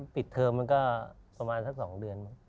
ปิดเทอมมันก็ประมาณสัก๒เดือนมั้ง